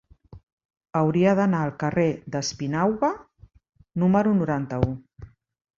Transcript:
Hauria d'anar al carrer d'Espinauga número noranta-u.